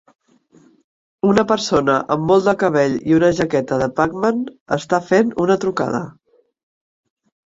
Una persona amb molt de cabell i una jaqueta de Pac-Man està fent una trucada.